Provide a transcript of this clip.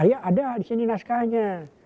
ada di sini naskahnya